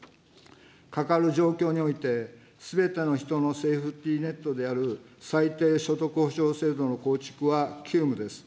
かかる状況において、すべての人のセーフティネットである最低所得保証制度の構築は急務です。